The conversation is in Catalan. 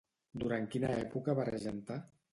Durant quina època va regentar?